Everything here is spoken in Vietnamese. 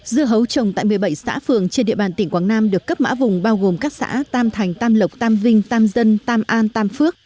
dưa hấu trồng tại một mươi bảy xã phường trên địa bàn tỉnh quảng nam được cấp mã vùng bao gồm các xã tam thành tam lộc tam vinh tam dân tam an tam phước